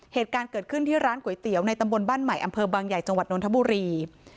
เหตุการณ์เกิดขึ้นที่ร้านก๋วยเตี๋ยวในตำบลบ้านใหม่อำเภอบางใหญ่จังหวัดนทบุรี